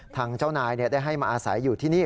ทางเจ้านายได้ให้มาอาศัยอยู่ที่นี่